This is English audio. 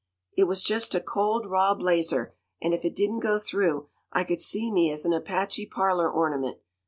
"It was just a cold, raw blazer; and if it didn't go through I could see me as an Apache parlor ornament.